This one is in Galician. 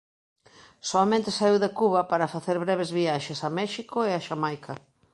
Soamente saíu de Cuba para facer breves viaxes a México e a Xamaica.